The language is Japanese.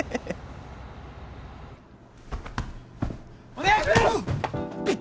お願いしますッ！